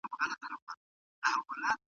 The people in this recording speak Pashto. د کورنيو ستونزو د هواري لومړني تدابير.